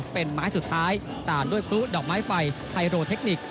เป็นไม้สุดท้ายตามด้วยพลุดอกไม้ไฟโรเทคนิค